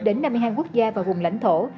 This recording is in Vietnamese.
đến năm mươi hai quốc gia và vùng lãnh thổ